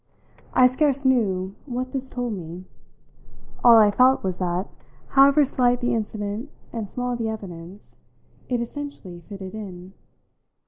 I scarce knew what this told me; all I felt was that, however slight the incident and small the evidence, it essentially fitted in.